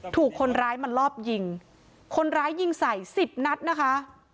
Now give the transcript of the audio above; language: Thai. ถูกคนร้ายมาลอบยิงคนร้ายยิงใส่สิบนัดนะคะ